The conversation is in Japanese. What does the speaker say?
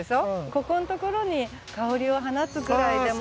ここのところに「香りを放つ」ぐらいでも。